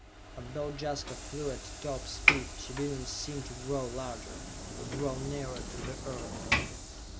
But though Jaska flew at top speed, she did not seem to grow larger, or draw nearer to the Earth!